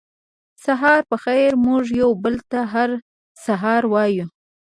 سهار پخېر موږ یو بل ته هر سهار وایو